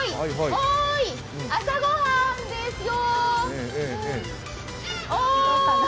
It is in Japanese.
おーい、朝ご飯ですよ。